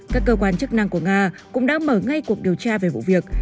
các cơ quan chức năng của nga cũng đã mở ngay cuộc điều tra về vụ việc